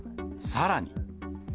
さらに。